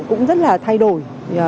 cũng rất là thay đổi